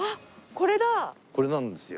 これなんですよ。